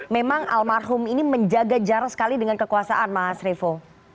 memang almarhum ini menjaga jarak sekali dengan kekuasaan mas revo